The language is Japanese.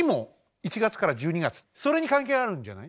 それに関係あるんじゃない？